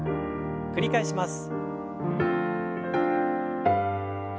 繰り返します。